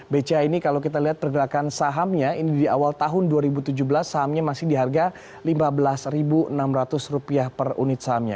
bca ini kalau kita lihat pergerakan sahamnya ini di awal tahun dua ribu tujuh belas sahamnya masih di harga rp lima belas enam ratus per unit sahamnya